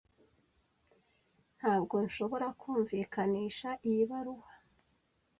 Ntabwo nshobora kumvikanisha iyi baruwa.